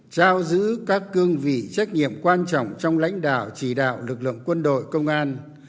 trao giữ các cương vị trách nhiệm quan trọng trong lãnh đạo chỉ đạo lực lượng quân đội công an